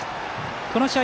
この試合